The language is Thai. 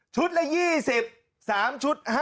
ชุดละ๒๐๓ชุด๕๐